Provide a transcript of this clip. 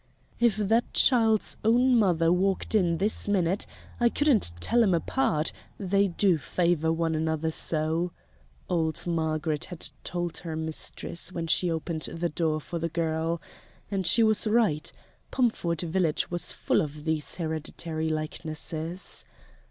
"If that child's own mother walked in this minute I couldn't tell 'em apart, they do favor one another so," old Margaret had told her mistress when she opened the door for the girl, and she was right. Pomford village was full of these hereditary likenesses.